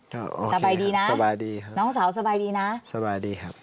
ก็โอเคครับสบายดีนะน้องสาวสบายดีนะครับสบายดีครับ